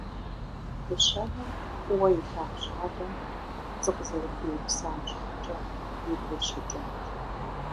Дыщэнэ фӏыуэ илъагъу щӏалэм пцӏы къызэрыхуиупсам щхьэкӏэ и гур щыкӏат.